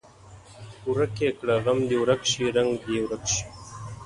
ورک یې کړه غم دې ورک شي رنګ دې یې ورک شي.